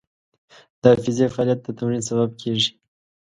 د حافظې فعالیت د تمرین سبب کېږي.